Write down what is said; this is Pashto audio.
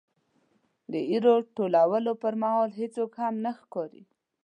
د ایرو ټولولو پرمهال هېڅوک هم نه ښکاري.